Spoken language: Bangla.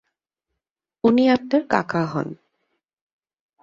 উনি আপনার কাকা হন।